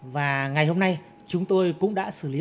và ngày hôm nay chúng tôi cũng đã xử lý ổ sơ